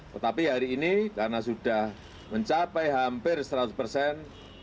tetapi hari ini karena sudah mencapai hampir seratus persen